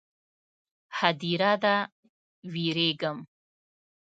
_ هديره ده، وېرېږم.